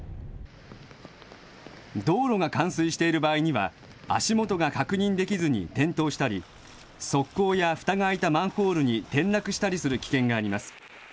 道路が冠水している場合には、足元が確認できずに転倒したり、側溝やふたが開いたマンホールに転落したりする危険があります。